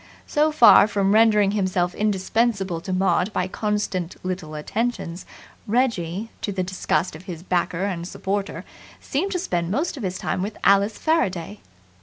So far from rendering himself indispensable to Maud by constant little attentions, Reggie, to the disgust of his backer and supporter, seemed to spend most of his time with Alice Faraday.